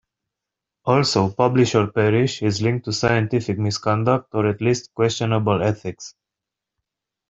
Also, publish-or-perish is linked to scientific misconduct or at least questionable ethics.